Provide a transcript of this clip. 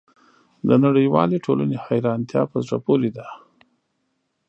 د نړیوالې ټولنې حیرانتیا په زړه پورې ده.